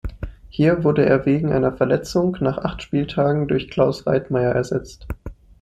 Hier wurde er wegen einer Verletzung nach acht Spieltagen durch Claus Reitmaier ersetzt.